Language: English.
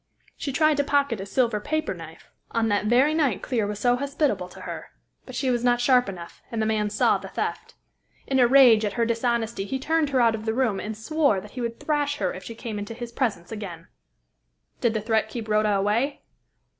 She tried to pocket a silver paper knife on that very night Clear was so hospitable to her, but she was not sharp enough, and the man saw the theft. In a rage at her dishonesty he turned her out of the room, and swore that he would thrash her if she came into his presence again." "Did the threat keep Rhoda away?"